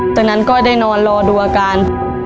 จากนั้นก็ได้นอนรอดูอาการ